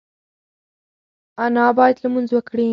انا باید لمونځ وکړي.